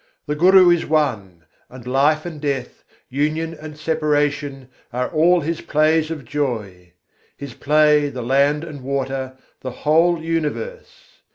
The Guru is One: and life and death., union and separation, are all His plays of joy! His play the land and water, the whole universe!